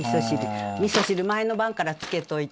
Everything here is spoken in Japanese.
みそ汁前の晩からつけといて。